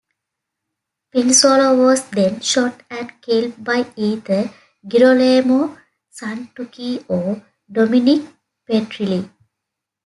Pinzolo was then shot and killed by either Girolamo Santucci or Dominick Petrilli.